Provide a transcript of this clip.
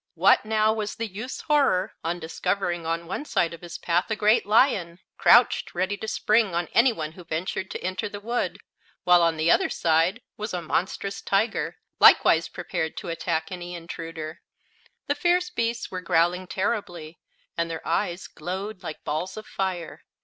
What, now, was the youth's horror on discovering on one side of his path a great lion, crouched ready to spring on any one who ventured to enter the wood, while on the other side was a monstrous tiger, likewise prepared to attack any intruder. The fierce beasts were growling terribly, and their eyes glowed like balls of fire.